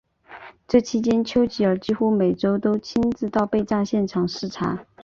这期间丘吉尔几乎每周都亲自到被炸现场视察。